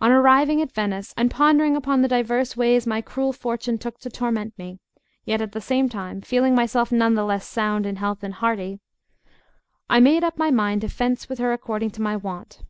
On arriving at Venice, and pondering upon the divers ways my cruel fortune took to torment me, yet at the same time feeling myself none the less sound in health and hearty, I made up my mind to fence with her according to my wont.